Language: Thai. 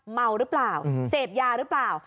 เมาหรือเปล่าเสพยาหรือเปล่า